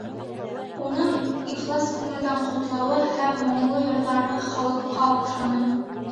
Уның ихлас күңелдән ҡотлауы һәм моңло йырҙары халыҡҡа оҡшаны.